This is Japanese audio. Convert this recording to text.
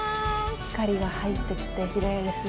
光が入ってきてきれいですね。